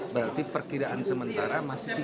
berarti perkiraan sementara masih tiga puluh sembilan